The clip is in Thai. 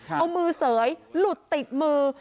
เอามือเสยหลุดติดมือ